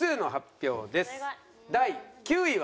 第９位は。